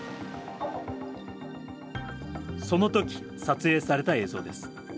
その時撮影された映像です。